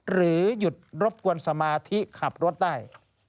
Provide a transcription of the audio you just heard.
หรือหยุดรบกวนสมาธิขับรถได้